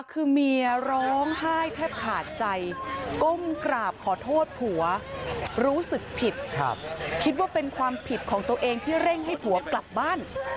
คือเมียร้องไห้แทบขาดใจก้มกราบขอโทษผัวรู้สึกผิดคิดว่าเป็นความผิดของตัวเองที่เร่งให้ผัวกลับบ้าน